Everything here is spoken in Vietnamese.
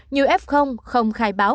nhiều f không khai báo